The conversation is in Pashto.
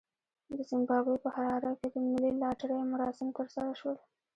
د زیمبابوې په حراره کې د ملي لاټرۍ مراسم ترسره شول.